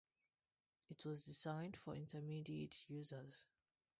It was designed for intermediate users.